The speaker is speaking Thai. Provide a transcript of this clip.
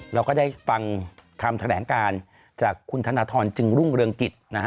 เราก็ได้ฟังคำแถลงการจากคุณธนทรจึงรุ่งเรืองกิจนะฮะ